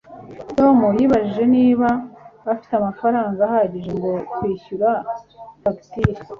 Tom yibajije niba afite amafaranga ahagije yo kwishyura fagitire